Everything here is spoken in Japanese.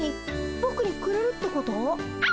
ぼくにくれるってこと？